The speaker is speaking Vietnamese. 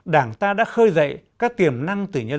đảng ta đã khơi dậy các tiềm năng tự nhiên